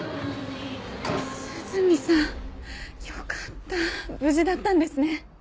涼見さんよかった無事だったんですね！